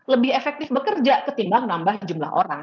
lebih efektif bekerja ketimbang nambah jumlah orang